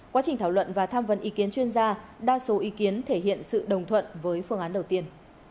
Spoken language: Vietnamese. quá trình thảo luận và tham vấn ý kiến chuyên gia đa số ý kiến thể hiện sự đồng thuận với phương án đầu tiên